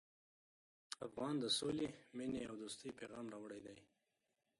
افغان د سولې، مینې او دوستۍ پیغام راوړی دی.